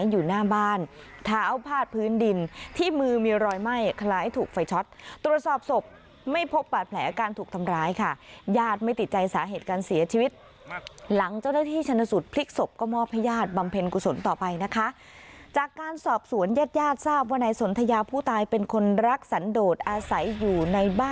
อยู่หน้าบ้านเท้าพาดพื้นดินที่มือมีรอยไหม้คล้ายถูกไฟช็อตตรวจสอบศพไม่พบบาดแผลการถูกทำร้ายค่ะญาติไม่ติดใจสาเหตุการเสียชีวิตหลังเจ้าหน้าที่ชนสูตรพลิกศพก็มอบให้ญาติบำเพ็ญกุศลต่อไปนะคะจากการสอบสวนญาติญาติทราบว่านายสนทยาผู้ตายเป็นคนรักสันโดดอาศัยอยู่ในบ